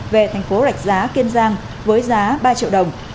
về thành phố rạch giá kiên giang với giá ba triệu đồng